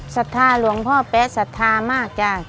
ศรัทธาหลวงพ่อแป๊ะสัทธามากจ้ะ